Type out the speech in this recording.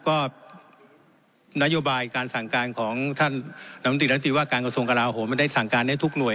ก็นโยบายการสั่งการของท่านน้ำตรีรัฐตรีว่าการกระทรวงกลาโหมมันได้สั่งการให้ทุกหน่วย